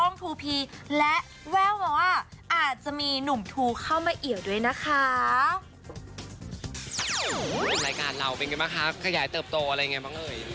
มเรื่อนรายการเราเป็นยังไงนะคะขยายเติบโตอะไรยังไงบ้างเลย